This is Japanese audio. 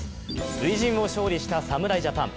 初陣を勝利した侍ジャパン。